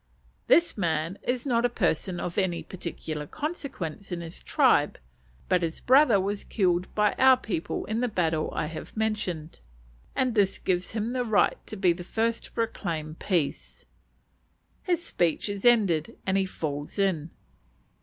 This man is not a person of any particular consequence in his tribe, but his brother was killed by our people in the battle I have mentioned, and this gives him the right to be the first to proclaim peace. His speech is ended and he "falls in."